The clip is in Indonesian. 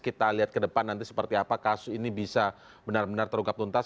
kita lihat ke depan nanti seperti apa kasus ini bisa benar benar terungkap tuntas